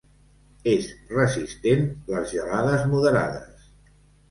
És resistent les gelades moderades.